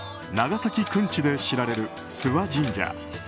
長崎くんちで知られる諏訪神社。